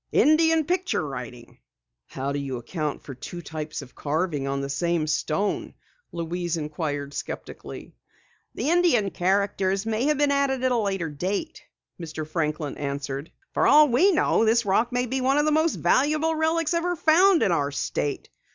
"Indian picture writing!" "How do you account for two types of carving on the same stone?" Louise inquired skeptically. "The Indian characters may have been added at a later date," Mr. Franklin answered. "For all we know, this rock may be one of the most valuable relics ever found in our state!